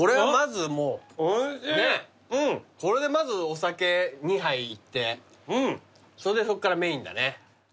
これでまずお酒２杯いってそれでそっからメインだね。